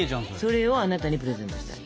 それをあなたにプレゼントしたい。